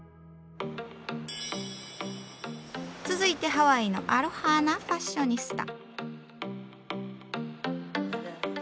続いてハワイのアロハなファッショニスタ。